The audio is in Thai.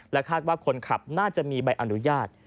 คาดว่าคนขับน่าจะมีใบอนุญาต